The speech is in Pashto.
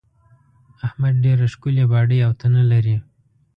احمد ډېره ښکلې باډۍ او تنه لري.